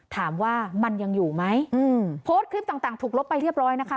ถามว่ามันยังอยู่ไหมโพสต์คลิปต่างถูกลบไปเรียบร้อยนะคะ